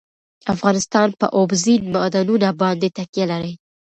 افغانستان په اوبزین معدنونه باندې تکیه لري.